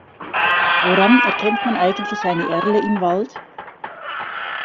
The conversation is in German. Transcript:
Woran erkennt man eigentlich eine Erle im Wald?